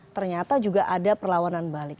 ternyata juga ada perlawanan balik